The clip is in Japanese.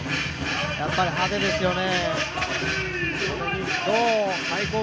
やっぱり派手ですよね。